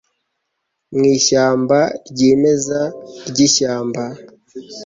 mu ishyamba ryimeza ryishyamba